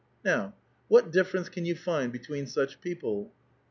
Now, what ditterence can you find between such people?